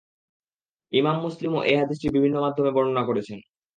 ইমাম মুসলিমও এ হাদীসটি বিভিন্ন মাধ্যমে বর্ণনা করেছেন।